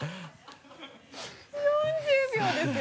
４０秒ですよ。